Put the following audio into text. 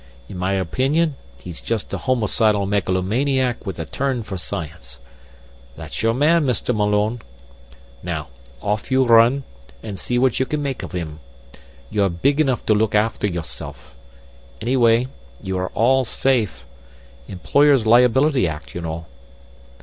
In my opinion he's just a homicidal megalomaniac with a turn for science. That's your man, Mr. Malone. Now, off you run, and see what you can make of him. You're big enough to look after yourself. Anyway, you are all safe. Employers' Liability Act, you know."